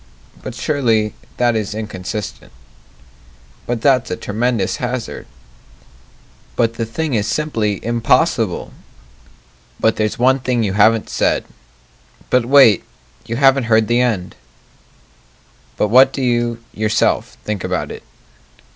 But surely that is inconsistent But that's a tremendous hazard But the thing is simply impossible But there's one thing you haven't said But, wait, you haven't heard the end But what do you yourself think about it?